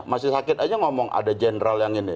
masih sakit saja ngomong ada jenderal yang ini